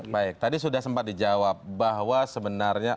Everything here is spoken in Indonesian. baik tadi sudah sempat dijawab bahwa sebenarnya